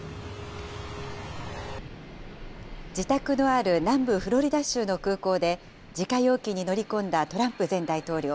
自宅のある南部フロリダ州の空港で自家用機に乗り込んだトランプ前大統領。